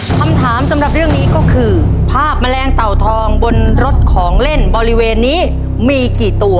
คำถามสำหรับเรื่องนี้ก็คือภาพแมลงเต่าทองบนรถของเล่นบริเวณนี้มีกี่ตัว